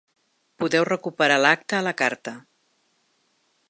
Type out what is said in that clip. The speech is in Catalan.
Podeu recuperar l’acte a la carta.